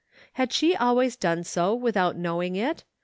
Had she always done so without knowing it?